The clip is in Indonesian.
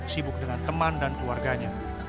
sibuk dengan teman dan keluarganya